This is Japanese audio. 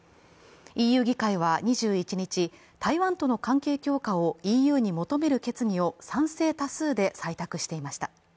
ＥＵ議会は２１日、台湾との関係強化をＥＵに求める決議を賛成多数で採択していました。